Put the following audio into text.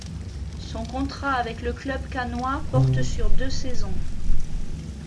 Son contrat avec le club cannois porte sur deux saisons.